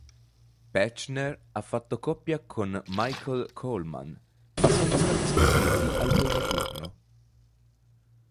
Petzschner ha fatto coppia con Michael Kohlmann ma sono stati sconfitti al primo turno.